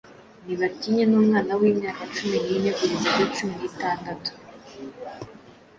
ntibatinye n'umwana w'imyaka cumi n'ine kugeza kuri cumi n'itandatu.